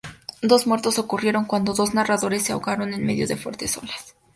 Dos muertes ocurrieron cuando dos nadadores se ahogaron en medio de fuertes olas.